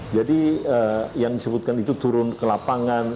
jadi yang disebutkan itu turun ke lapangan